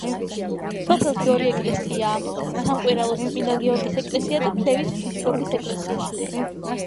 სოფელში ორი ეკლესიაა: სამყვირალოს წმინდა გიორგის ეკლესია და ფლევის ღვთისმშობლის ეკლესია.